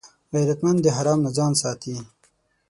غیرتمند د حرام نه ځان ساتي